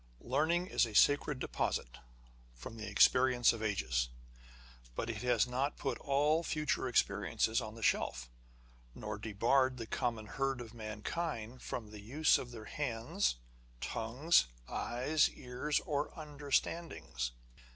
Learning is a sacred deposit from the experience of ages ; but it has not put all future experience on the shelf, or On the Conversation of Authors. 33 debarred the common herd of mankind from the use of their hands, tongues, eyes, ears, or understandings.